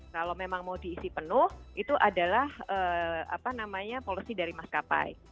kalau memang mau diisi penuh itu adalah apa namanya polusi dari mas kapai